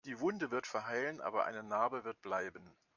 Die Wunde wird verheilen, aber eine Narbe wird bleiben.